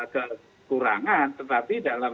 kekurangan tetapi dalam